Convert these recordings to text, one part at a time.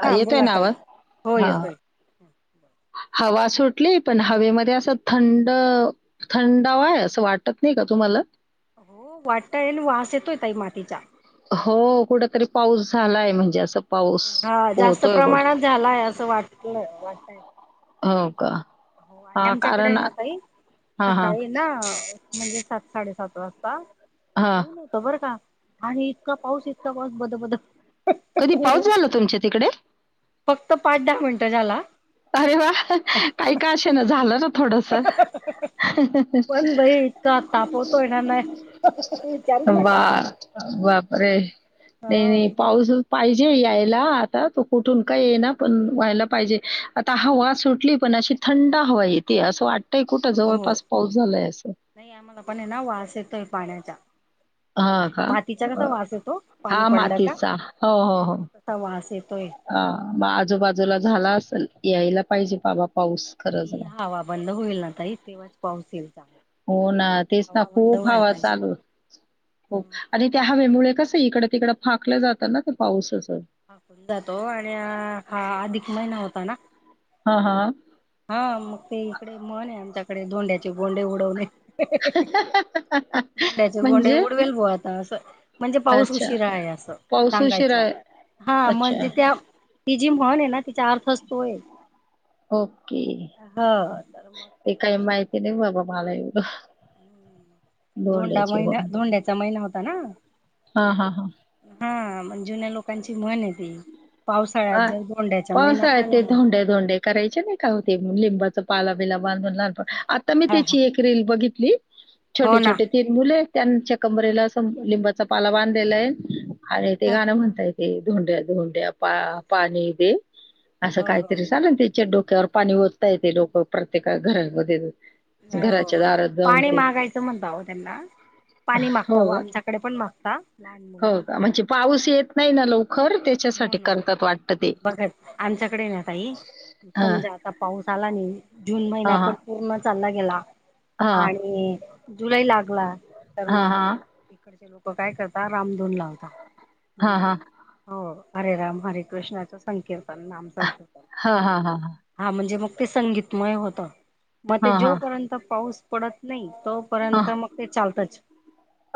हा येतोय बोला ना आता आवाज? हो हां. येतोय हवा सुटली पण हवेमध्ये असं थंड थंडावा आहे असं वाटत नाही का तुम्हाला? हो वाटातय आणि वास येतोय ताई मातीचा हो कुठ तरी पाऊस झालाय म्हणजे असं पाऊस हा जास्त होतोय कुठे? प्रमाणात झालाय असं वाटल वाटतय हो का हो आणि हां, आमच्याकडे कारण ना ताई हां, हां. सकाळी ना म्हणजे सात साडेसात वाजता हां बर का आणि इतका पाऊस इतका पाऊस बद-बद कधी पाऊस ऊन झाला तुमच्या तिकडे फक्त पाच दहा मिनिटं झाला अरे वा काही का असे ना झाला ना थोडसं पण बाई इतका तापवतोय ना नाही विचारूच नका. व्वा! बापरे नाही हो बाई पाऊसचं पाहिजे यायला आता तो कुठून काय येइ ना पण व्हायला पाहिजे आता हवा सुटली पण अशी थंड हवा येतेय असं वाटतंय कुठं हो जवळपास पाऊस झालाय असं नाही आम्हाला पण हेना वास येतोय पाण्याचा हां का? मातीचा कसा वास येतो पाणी हां पडला का मातीचा. ह तसा वास येतोय ह मग आजूबाजूला झाला असल यायला पाहिजे बाबा पाऊस खरंच ना. हवा बंद होईल ना ताई तेव्हाच पाऊस येईल चांगला हो ना तेच ना हवा बंद खूप व्हायला हवा पाहिजे चालू [inaudible] हो आणि त्या हवेमुळे कसं इकडं तिकडं फाकलं जातं ना ते पाऊस असं फाकून जातो आणि हा अधिक महिना होता ना हा हा हा मग ते इकडे म्हन आहे. आमच्याकडे धोंड्याचे गोंडे उडवणे. धोंड्याचे गोंडे म्हणजे? उडवेल बुवा आता असं म्हणजे पाऊस अच्छा. उशीरा आहे. असं पाऊस उशिरा सांगायच्या आहे. हा अच्छा म्हणजे त्या ती जी म्हण आहे ना तिचा अर्थच तो आहे. ओके ह तर मग ते काही उशीर माहिती नाही बाबा मला एवढं धोंडा धोंड्याची हो महिना धोंड्याचा महिना होता ना. हा हा हा हा जुन्या लोकांची म्हण हाय ती पावसाळ्यात हा जर धोंड्याचा महिना पावसाळ्यात ते आला. धोंडे धोंडे करायचे नाही का हो लिंबाच पाला बिला बांधून लान प आता मी हा हा त्याची एक रील बघितली छोटे हो ना छोटे ते मुलं त्यांच्या कंबरेला असं लिंबाचा पाला बांधलेला आहे. आणि ते हो गाणं म्हणताहेत ते धोंड्या धोंड्या पा पाणी दे असं हो हो काहीतरी चाल ना ते च्या डोक्यावर पाणी ओतता येते डोकं प्रत्येका घरामध्ये अ घराच्या दारात जाऊन पाणी ते मागायचं म्हणताव त्यांना पाणी मागता हो व का आमच्या कडे पण मागता. लहान हो मुलं का म्हणजे पाऊस येत नाही ना लवकर त्या म्हनून बघत आमच्याकडे ना ताई हां, समजा आता पाऊस आला नाही. जून महिना हां, पण पूर्ण चालला गेला हां, आणि जुलै लागला, तर हां, मग अ हां, इकडचे लोकं काय करतात? रामधुन लावता. हां, हां, म्हणजे? हो, हरे राम हरे कृष्णाचं संकीर्तन नाम संकीर्तन. हां, हां, हां, हां, हां, हा म्हणजे मग ते संगीतमय होतं, मग ते हां. जोपर्यंत पाऊस पडत नाही तो हां, पर्यंत हां. मग ते चालतच.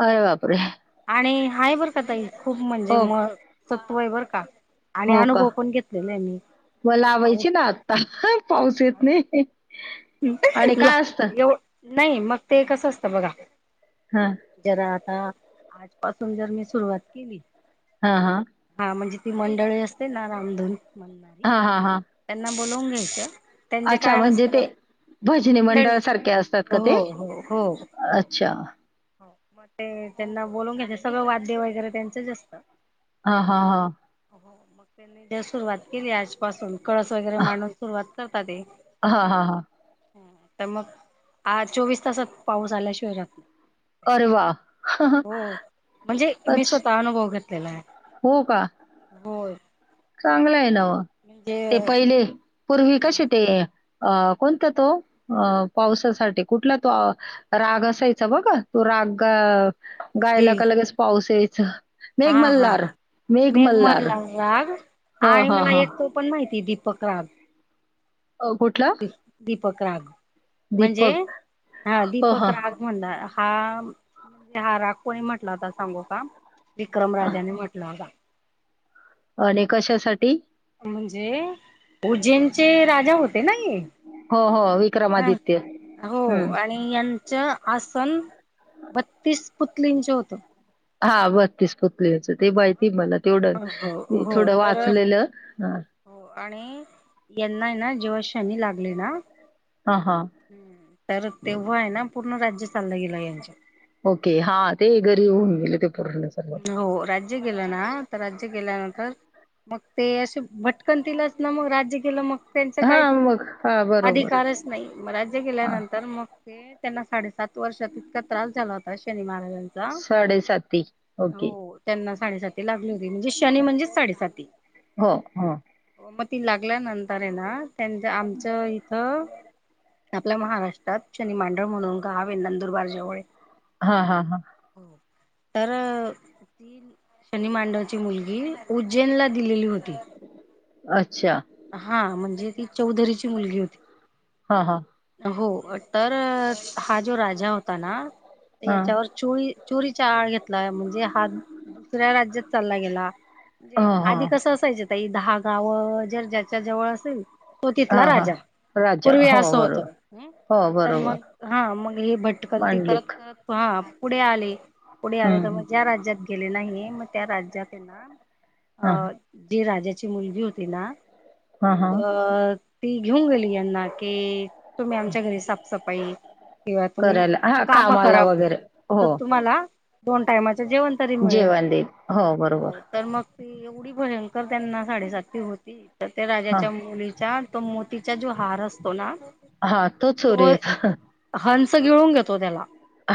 अरे बापरे! आणि हाय बरं का ताई, खूप म्हणजे हो, म तत्व आहे बरं का. आणि हो का? अनुभव पण घेतलेले आहे मी, मग जर पाऊस लावायची ना आत्ता पाऊस येत नाही. आणि ला काय असतं? एव नाही मग ते कसं असतं बघा हा जर आता आजपासून जर मी सुरुवात केली हा हा. हा म्हणजे ती मंडळी असते ना रामधुन म्हणणारी. हां, हां, हां. त्यांना बोलावून घ्यायचं, त्यांचं अच्छा काय म्हणजे असतं ते भजनी मंडळ मंडळीच सारखे असतात का हो ते? हो हो अच्छा. हो, मग ते त्यांना बोलवुन घ्यायचं, सगळं वाद्य वगैरे त्यांचंच असतं. ह हा हा. हो मग त्यांनी जर सुरुवात केली आजपासून, कळस वगैरे मांडून सुरुवात करता ते. हा हा हा. तर मग, आज चोवीस तासात पाऊस आल्याशिवाय राहत नाही. अरे वा! हो, म्हणजे मी स्वतः अनुभव घेतलेला आहे. हो का? हो. चांगलं आहे ना व, ते पहिले पूर्वी कशे ते अ कोणता तो? अ पावसासाठी कुठला तो राग असायचा बघा, तो राग ग दे गायला का लगेच पाऊस यायचं. हा हा मेघमल्हार हा मेघमल्हार. राग आणि मला एक तो पण माहिती दीपक राग. अ कुठलं? दीपक राग म्हणजे दीपक. हा हो, दीपक हां. राग मंडाळा हा हा राग कोणी म्हंटला होता सांगु का विक्रम अ, राजाने म्हटला होता आणि कशासाठी म्हणजे उज्जैनचे राजा होते ना हे हो हो हा विक्रमआदित्य हो हू आणि यांचं आसन बत्तीस पुतलींचं होतं हा बत्तीस पुतलीचं ते [unintelligible] मला तेवढं हो मी हो थोडं तर वाचलेलं हा हो आणि यांना ना जेव्हा शनी लागलेला हा हा हम्म, तर तेव्हा आहे ना पूर्ण राज्य चाललं गेलं यांच्या. ओके, हा ते गरीब होऊन गेले ते पूर्णच. हो, राज्य गेलं ना, तर राज्य गेल्यानंतर मग ते असे भटकंतीलाच ना मग राज्य गेलं मग. त्यांचं काय हा तिथं मग हा बरोबर. अधिकारच नाही, मग राज्य हां, गेल्यानंतर मग. ते त्यांना साडेसात वर्षात इतका त्रास झाला होता शनी महाराजां साडेसाती ओके त्यांना साडेसाती लागली होती म्हणजे शनी म्हणजेच साडेसाती हो हो म ती लागल्यानंतरयेना ना त्यांच आमच्या इथ आपल्या महाराष्ट्रात शनी मांडळ म्हणून गावे नंदुरबार जवळये हा हा हा तर [unintelligible] मुलगी उज्जैनला दिलेली होती. अच्छा हा म्हणजे ती चौधरीची मुलगी होती. हा हा हो तर हा जो राजा होता ना हां. याच्यावर चोळी चोरीचा आळ घेतला, म्हणजे हा दुसऱ्या राज्यात चालला गेला. जे हां, हां. आधी कसं असायचं ताई दहा गावं जर ज्याच्या जवळ असेल तो तिथला हां, हां. राजा राजा. पूर्वी हो, असं होतं. त बरोबर. हम् हो, तर मग बरोबर. हा मग हे भटकंती करत मांडलिक. करत हा पुढे आले--पुढे आले हं, त हं. म ज्या राज्यात केले नाहीये म त्या राज्यातेना अ हां, हां. जी राजाची मुलगी होती ना हां, मग हां. अ.. ती घेऊन गेली यांना के तुम्ही आमच्या घरी साफसफाई किंवा तुम्ही करायला हां, काम कामाला कराव कोण वगैरे. हो, त तुम्हाला दोन टायमाच जेवण तरी मिळेल जेवण देईल. बरोबर. हो तर मग ती एवढी भयंकर त्यांना साडेसाती होती. त हां. राजाच्या मुलीचा तो मोतीचा जो हार असतो ना हा तो चोरीत हंस गिळून घेतो त्याला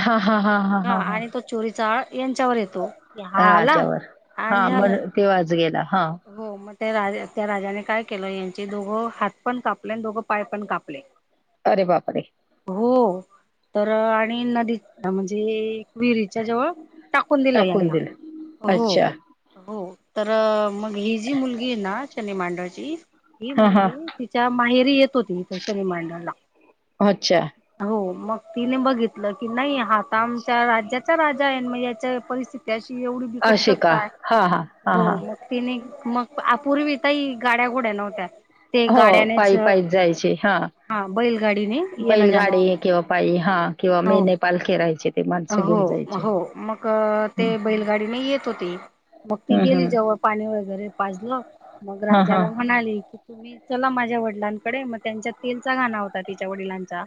हा हा हा हा हा हा आणि तो चोरीचा आळ यांच्यावर येतो हा आला राजावर. आणि हां, झाला मग ते वाज मग गेला. हां. हो मग त्या राजा त्या राजाने काय केलं यांचे दोघं हात पण कापले आणि दोघं पाय पण कापले अरे बापरे हो तर आणि नदीत ह म्हणजे विहिरीच्या जवळ टाकून दिलं यांना हो अच्छा. हो तर मग ही जी मुलगी ये ना शनी मांडळची ही हां हां. मुलगी तिच्या माहेरी येत होती, इथ शनी मांडायला. अच्छा हो मग तिने बघितलं, की नाही हा त आमच्या राज्याचा राजा आहे. मग याच्या परिस्थिती अशी एवढी बिकट असे कस का? काय? हां, हां. हां, हो हां. मग. तिने मग आ पूर्वी काय गाड्या घोड्या नव्हत्या. ते हो गाड्यानेच पायी पायीच जायचे हा. बैलगाडीने येणं जाणं बैलगाडी होतं किंवा पायी हा किंवा हो मेंढेपाल केरायचे. हो हो, मग अ ते हं. बैलगाडीने येत होती, मग ती हं, गेली हं. जव पाणी वगैरे पाजलं, मग हां, हां. राजाला म्हणाली की तुम्ही चला माझ्या वडिलांकडे, मग त्यांच्या तेलचा घाणा होता तिच्या वडिलांचा.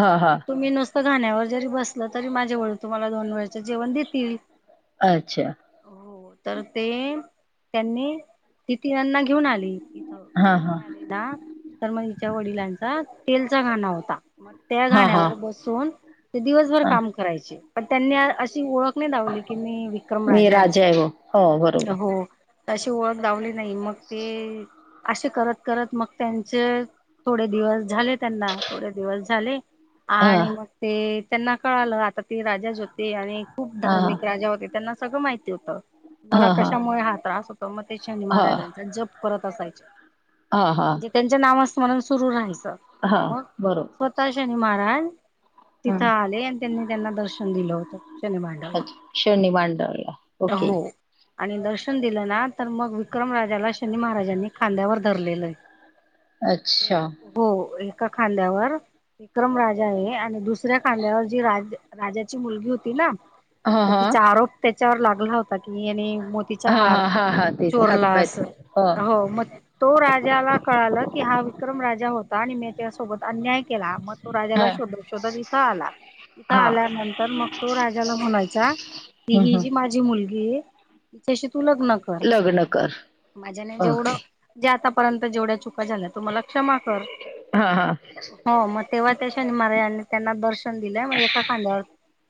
हां, हां. तुम्ही नुसतं घाण्यावर जरी बसला, तरी माझ्या वडील तुम्हाला दोन वेळचं जेवण देतील. अच्छा. हो तर ते त्यांनी ती तिघांना घेऊन आली इथं हां, घेऊन हां. आली येना तर मग हिच्या वडिलांचा तेलचा घाणा होता म त्या हां, हां. घाण्यावर बसून ते दिवसभर हां. काम करायचे. पण त्यांनी अशी ओळख नाही दावली की मी विक्रम मी राजाय अस. राजा आहे हो. हो, बरोबर. हो अशी ओळख दावली नाही. मग ते असे करत करत मग त्यांचे थोडे दिवस झाले त्यांना. थोडे दिवस झाले. हां, आणि मग ते त्यांना कळालं. आता ते राजाच होते. आणि खूप हां, हां. धार्मिक राजा होते. त्यांना सगळं माहिती होतं. मला हां, हां. कशामुळे हा त्रास होतो. मग ते शनी महाराजांचा जप करत असायचे. हा हा. त्यांच नामस्मरण सुरू राहायचं. हां, मग बरोबर. स्वतः शनी महाराज तिथं हं. आले आणि त्यांनी त्यांना दर्शन दिलं होतं. शनि मांडरला. अच्छा. शनी मांडरला? हो. आणि दर्शन दिलं ना. तर मग विक्रम राजाला शनी महाराजांनी खांद्यावर धरलेलंय. ह [unintelligible] हो एका खांद्यावर विक्रम राजाये. आणि दुस दुसऱ्या खांद्यावर जी राजाची मुलगी होती ना, हां, तर हां. तिचा आरोप तिच्यावर लागला होता की येने हा हा हा हा तेच. हातपा हो म तो राजाला कळालं की, हा विक्रम राजा होता. आणि मी त्यासोबत अन्याय केला. मग तो राजाला हां शोधत शोधत इथ आला. इथं हां आल्यानंतर मग तो राजाला म्हणायचा कि, हम्म, हि हम्म. माझी मुलगी ये. तिच्याशी तू लग्न कर. लग्न कर माझ्याने जेवढं ओके जे आतापर्यंत जेवढ्या चुका झाल्या तु मला क्षमा कर. हां हां हो मग तेव्हा त्या शनि महाराज त्यांना दर्शन दिलेय. मग एका खांद्यावर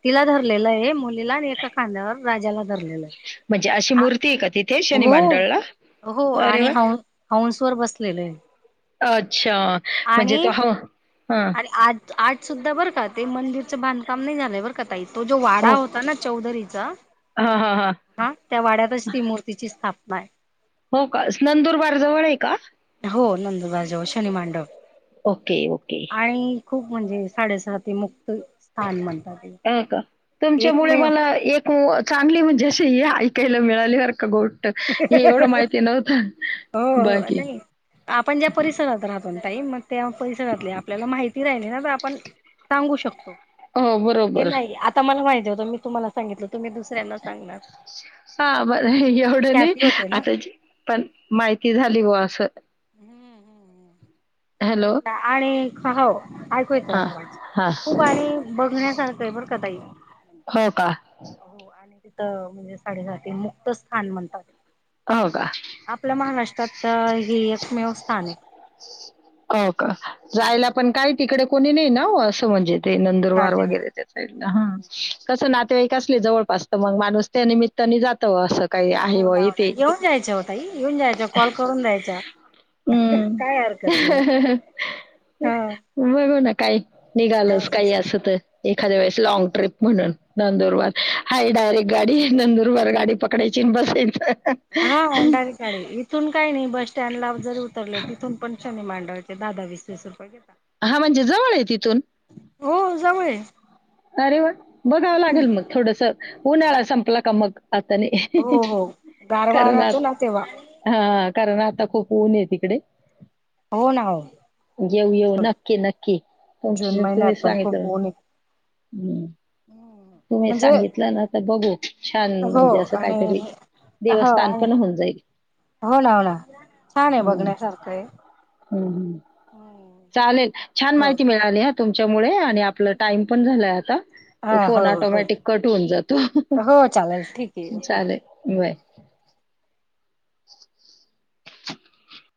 तिला धरलेलय. मुलीला. आणि एका खा खांद्यावर राजाला धरलेलंय. म्हणजे अशी आ. मूर्ती आहे का तिथे शनी हो. मांडळला? हो अरे आणि वाह! ह हऊंस वर बसलेलेय. अच्छा. म्हणजे तो ह ह. आणि आज आज सुद्धा बरं का? ते मंदिरचं बांधकाम नाही झालंय बर का ताई. तो जो वाडा होता ना चौधरीचा. ह ह. ह. त्या वाड्यातच ती मूर्तीची स्थापनाय. हो का? नंदुरबार जवळे का? हो नंदूबार जवळ शनी मांडव. ओके. ओके. काही खूप म्हणजे साडेसाती मुक्त स्थान म्हणताते. हो का? तुमच्यामुळे मला एक चांगली म्हणजे अशी ऐकायला मिळाली बर का गोड. हे एवढं माहिती नव्हत. हो हो बाकी. पण ताई मग ते पैसे घातले. आपल्याला माहिती राहिली ना तर आपण सांगू शकतो. हो हे बरोबर. नाही. आता मला माहिती होतं. मी तुम्हाला सांगितलं. तुम्ही दुसऱ्यांना सांगणार. हा बर एवढं नाही. ख्याती होते ना आता, पण माहिती झाली बा असं. हम्म हम्म. हॅलो हो आणि ख हो. हा [unintelligible] हा खूप आणि बघण्यासारखय बरका ताई. हो का हो आणि तिथं म्हणजे साडीसाती मुक्त स्थान म्हणतात. हो का आपल्या महाराष्ट्रात हे एकमेव स्थाने. होका जायला पण काही तिकडे कोणी नाही ना असं म्हणजे ते नंदुरबार नातेवाईक वगैरे ते ह कसं नातेवाईक असले जवळपास तर मग माणूस त्या निमित्ताने जातं असं काही आहे हो वा ना हो ना, येऊन जायचं ओ ताई येऊन जायच कॉल करून जायचा हम्म हा बघू ना काही निघालच काही असं तर एखाद्या वेळेस लॉंग ट्रिप म्हणून नंदुरबार हाय डायरेक्ट गाडी नंदुरबार गाडी पकडायची आणि बसायचं हा डायरेक्ट गाडी आहे इथून काही नाही बस स्टँडला जर उतरले तिथून पण शनी मांडव दहा दहा वीस वीस रुपये घेतातं हा म्हणजे जवळ आहे तिथून हो जवळ आहे अरे व्वा बघावं लागेल मग थोडस उन्हाळा संपला का मग आतान नही हो हो गारवा राहतो ना तेव्हा हा कारण आता खूप ऊन आहे तिकडे हो ना हो येऊ येऊ नक्की नक्की जून तुमची महिन्यात तुम्ही पण सांगितलं हम्म होम तुम्ही सांगितलं ना तर बघू छान हो म्हणजे असं आणि काहीतरी हो देवस्थान आणि पण होऊन जाईल हो ना हो ना छान आहे बघण्यासारखं आहे हम् चालेल छान हो माहिती मिळ ळाली हा तुमच्यामुळे आणि आपलं टाइम पण झालाय आता ह फोन हो हो ऑटोमॅटिक कट होऊन जातो हो चालेल ठीक आहे चालेल ओके. बाय [inaudible]